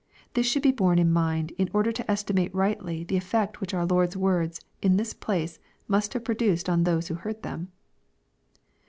This should be borne in mind, in order to estimate rightly the effect which our Lord's words, in this place, must have produced on those who heard them.